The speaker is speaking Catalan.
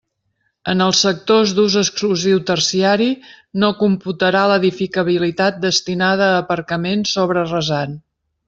En els sectors d'ús exclusiu terciari, no computarà l'edificabilitat destinada a aparcaments sobre rasant.